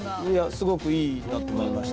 すごくいいなと思いました。